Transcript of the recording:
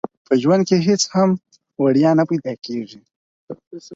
په ژوند کې هيڅ هم وړيا نه پيدا کيږي.